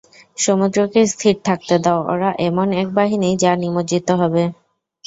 সমুদ্রকে স্থির থাকতে দাও, ওরা এমন এক বাহিনী যা নিমজ্জিত হবে।